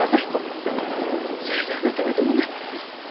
それであなたはどうなった？